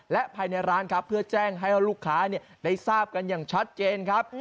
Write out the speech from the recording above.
และภายในร้านครับเพื่อแจ้งให้ลูกค้าได้ทราบกันอย่างชัดเจนครับ